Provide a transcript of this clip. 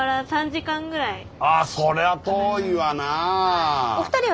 あそれは遠いわなあ。